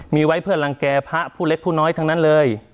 มีไว้เพื่อรังแก่พระผู้เล็กผู้น้อยทั้งนั้นเลย